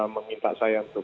meminta saya untuk